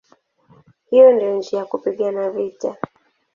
Hiyo ndiyo njia ya kupigana vita".